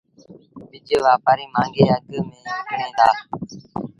ٻج وآپآريٚ مآݩگي اگھ ميݩ وڪڻيٚن دآ